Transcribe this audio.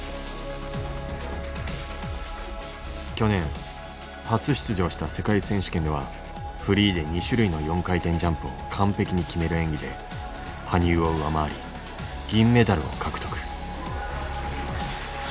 去年初出場した世界選手権ではフリーで２種類の４回転ジャンプを完璧に決める演技で羽生を上回り銀メダルを獲得。